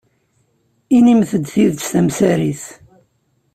Inimt-d tidet tamsarit.